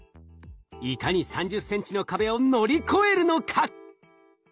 いかに３０ｃｍの壁を乗り越えるのか？